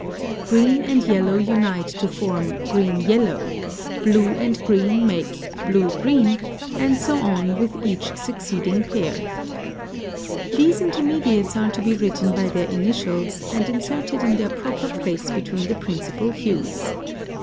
(57) Green and yellow unite to form GREEN YELLOW, blue and green make BLUE GREEN, and so on with each succeeding pair. These intermediates are to be written by their initials, and inserted in their proper place between the principal hues.